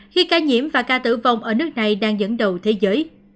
khi ca nhiễm và ca tử vong ở nước này đang dẫn đầu thế giới